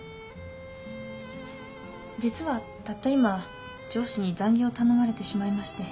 実はたった今上司に残業を頼まれてしまいまして。